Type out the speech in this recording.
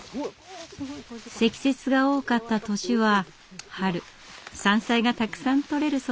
積雪が多かった年は春山菜がたくさん採れるそうです。